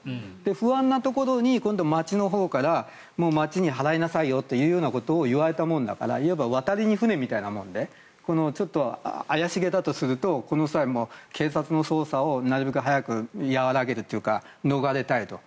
不安なところに今度、町のほうから町に払いなさいよということを言われたもんだからいわば渡りに船みたいなものでちょっと怪しげだとするとこの際、警察の捜査をなるべく早く和らげるというか逃れたいと。